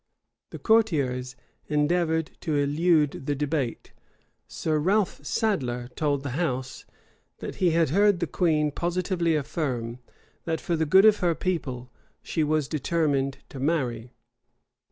[] The courtiers endeavored to elude the debate: Sir Ralph Sadler told the house, that he had heard the queen positively affirm, that for the good of her people she was determined to marry.